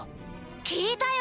聞いたよ！